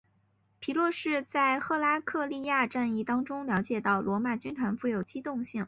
皮洛士在赫拉克利亚战役中了解到罗马军团富有机动性。